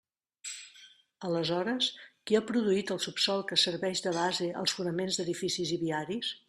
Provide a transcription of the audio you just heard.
Aleshores, ¿qui ha produït el subsòl que serveix de base als fonaments d'edificis i viaris?